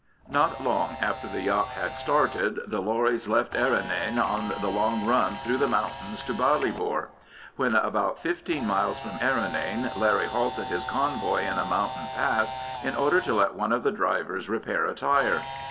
Not long after the yacht had started, the lorries left Errinane on the long run through the mountains to Ballybor. When about fifteen miles from Errinane, Larry halted his convoy in a mountain pass, in order to let one of the drivers repair a tyre.